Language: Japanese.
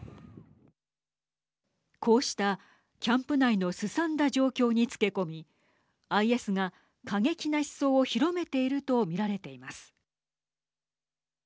こうした、キャンプ内のすさんだ状況につけ込みＩＳが過激な思想を広めていると見られています。